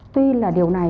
tuy là điều này